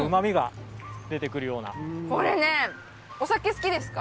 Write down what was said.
これねお酒好きですか？